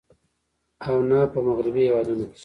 او نۀ په مغربي هېوادونو کښې